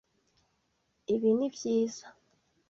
Ibi ni byiza.